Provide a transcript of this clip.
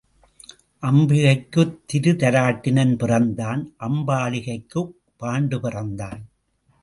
அம்பிகைக்குத் திருதராட்டிரன் பிறந்தான் அம் பாலிகைக்குப் பாண்டு பிறந்தான்.